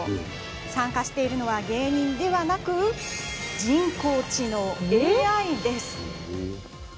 参加しているのは、芸人ではなく人工知能・ＡＩです。